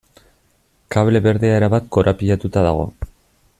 Kable berdea erabat korapilatuta dago.